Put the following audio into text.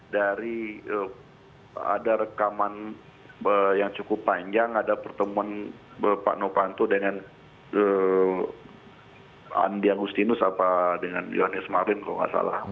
dari ada rekaman yang cukup panjang ada pertemuan pak nopanto dengan andi agusinus atau dengan johannes marlin kalau tidak salah